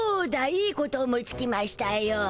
いいこと思いつきましゅたよ。